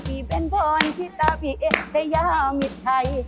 ที่เป็นผลที่ตาพีเองใจยะมิตรชัย